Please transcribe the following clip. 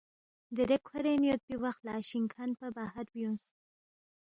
دیرے کھورین یودپی وخ لہ شِنگ کھن پا باہر بیُونگس